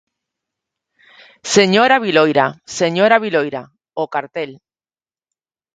Señora Viloira, señora Viloira, o cartel.